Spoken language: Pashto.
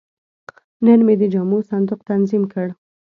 نن مې د جامو صندوق تنظیم کړ.